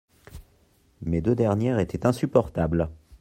Mes deux dernières étaient insupportables…